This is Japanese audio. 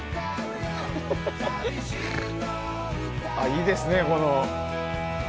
いいですね、この。